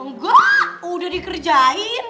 enggak udah dikerjain